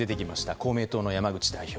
公明党の山口代表。